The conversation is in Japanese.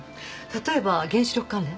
例えば原子力関連。